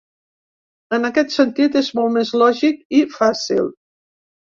En aquest sentit, és molt més lògic i fàcil.